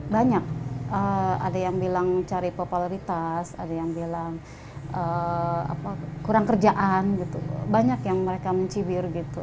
banyak ada yang bilang cari popularitas ada yang bilang kurang kerjaan gitu banyak yang mereka mencibir gitu